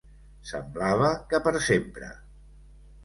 Semblava que per sempre